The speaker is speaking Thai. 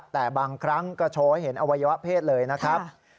แต่บางครั้งก็โชว์ให้เห็นอวัยวะเพศเลยนะครับ